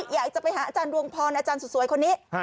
อยากจะไปหาอาจารย์ดวงพรอาจารย์สุดสวยคนนี้